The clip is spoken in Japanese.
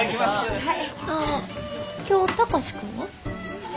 はい！